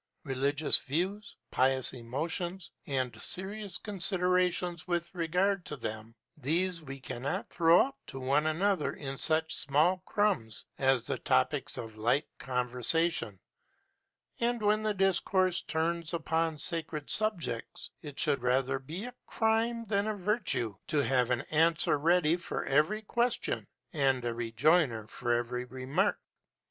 Religious views, pious emotions, and serious considerations with regard to them these we cannot throw out to one another in such small crumbs as the topics of a light conversation; and when the discourse turns upon sacred subjects, it would rather be a crime than a virtue to have an answer ready for every question, and a rejoinder for every remark.